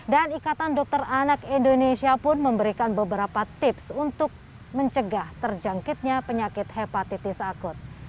dan ikatan dokter anak indonesia pun memberikan beberapa tips untuk mencegah terjangkitnya penyakit hepatitis akut